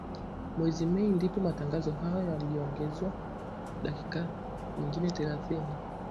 Mwezi Mei ndipo matangazo hayo yaliongezewa dakika nyingine thelathini